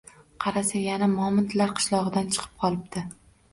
Qarasa, yana momandlar qishlog’idan chiqib qolibdi.